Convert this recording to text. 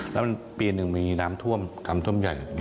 แล้วปีหนึ่งมีน้ำท่วมน้ำท่วมใหญ่